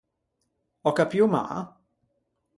Ò capio mâ?